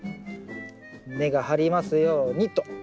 根が張りますようにと。